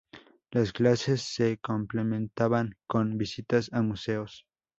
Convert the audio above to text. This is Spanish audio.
Las clases se complementaban con visitas a museos.